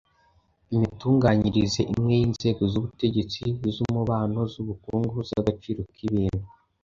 imitunganyirize imwe y'inzego z'ubutegetsi, z'umubano, z'ubukungu, z'agaciro k'ibintu